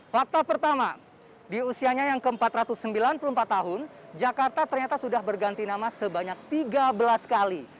fakta pertama di usianya yang ke empat ratus sembilan puluh empat tahun jakarta ternyata sudah berganti nama sebanyak tiga belas kali